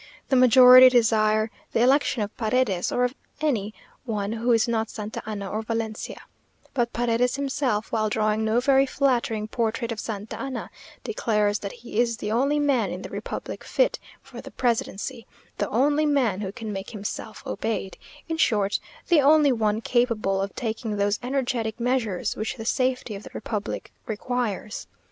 The majority desire the election of Paredes, or of any one who is not Santa Anna or Valencia; but Paredes himself, while drawing no very flattering portrait of Santa Anna, declares that he is the only man in the republic fit for the presidency the only man who can make himself obeyed in short, the only one capable of taking those energetic measures which the safety of the republic requires.